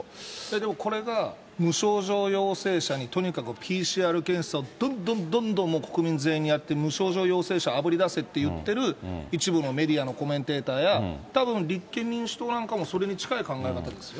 でもこれが無症状陽性者に、とにかくＰＣＲ検査を、どんどんどんどん、もう国民全員にやって、無症状陽性者あぶりだせって言ってる一部のメディアのコメンテーターや、たぶん立憲民主党なんかも、それに近い考え方ですよ。